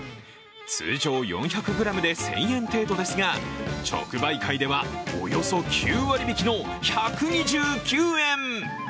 通常４００ｇで１０００円程度ですが直売会では、およそ９割引きの１２９円。